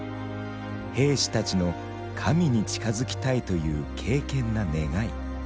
兵士たちの神に近づきたいという敬けんな願い。